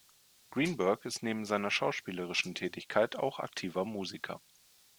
Greenberg ist neben seiner schauspielerischen Tätigkeit auch aktiver Musiker.